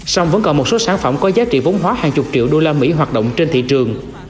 song vẫn còn một số sản phẩm có giá trị vốn hóa hàng chục triệu đô la mỹ hoạt động trên thị trường